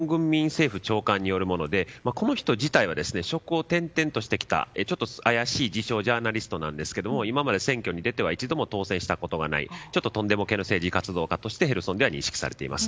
ヘルソン軍民政府高官によるものでこの人自体は職を転々としてきた怪しい自称ジャーナリストなんですが今まで選挙に出ては一度も当選したことのないトンデモ政治活動家としてヘルソンでは認識されています。